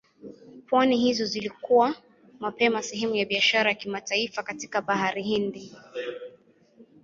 Pwani hizo zilikuwa mapema sehemu ya biashara ya kimataifa katika Bahari Hindi.